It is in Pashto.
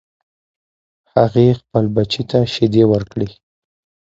هغې خپل بچی ته شیدې ورکړې